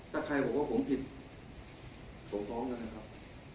ถ้าใครบอกว่าผมผิดผมฟ้องกันนะครับ